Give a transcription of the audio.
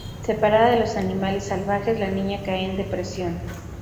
Separada de los animales salvajes, la niña cae en depresión.